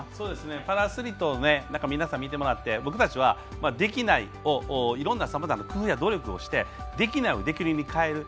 パラアスリートを皆さん、見てもらって僕たちは、さまざまな工夫をしてできないをできるに変える。